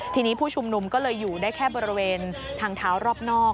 ทีนี้ผู้ชุมนุมก็เลยอยู่ได้แค่บริเวณทางเท้ารอบนอก